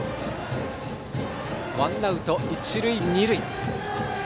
ワンアウト、一塁二塁。